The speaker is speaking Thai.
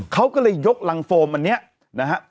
เขาก็เลยยกรังโฟมอันนี้นะฮะ